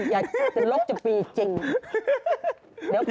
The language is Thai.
ยังมีคนจี้ไปเลย